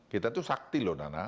kita itu sakti loh nana